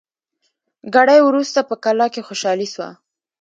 ګړی وروسته په کلا کي خوشالي سوه